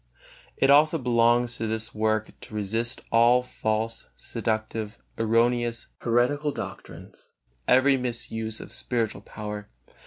It also belongs to this work to resist all false, seductive, erroneous, heretical doctrines, every misuse of spiritual power.